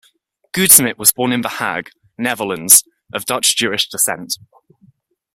Goudsmit was born in The Hague, Netherlands, of Dutch Jewish descent.